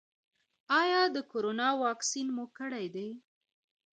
ایا د کرونا واکسین مو کړی دی؟